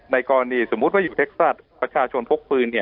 ในกรณีสมมุติว่าอยู่เทคเซอตประชาชนพวกฟื้นเนี่ย